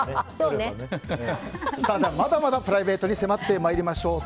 まだまだプライベートに迫っていきましょう。